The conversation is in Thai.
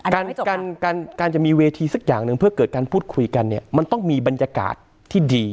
การการจะมีเวทีสักอย่างหนึ่งเพื่อเกิดการพูดคุยกันเนี่ยมันต้องมีบรรยากาศที่ดี